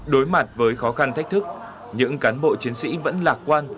đối mặt với khó khăn thách thức những cán bộ chiến sĩ vẫn lạc quan